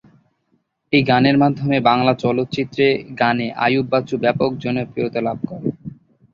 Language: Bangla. এই গানের মাধ্যমে বাংলা চলচ্চিত্রে গানে আইয়ুব বাচ্চু ব্যাপক জনপ্রিয়তা লাভ করে।